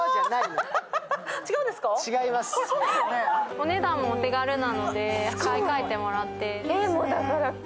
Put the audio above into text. お値段もお手軽なので、買い替えてもらって。